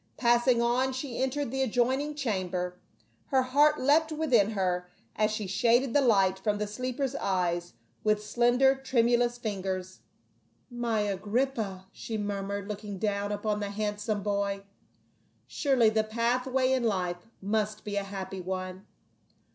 Passing on she entered the adjoining chamber. Her heart leapt within her as she shaded the light from the sleeper's eyes with slender tremulous fingers. " My THREE PRINCES AND A SLA VE. 43 Agrippa," she murmured, looking down upon the handsome boy, " surely thy pathway in life must be a happy one.